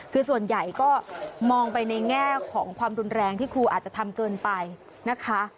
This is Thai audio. คือส่วนใหญ่ก็มองไปในแง่ของความรุนแรงที่ครูอาจจะทำเกินไปนะคะ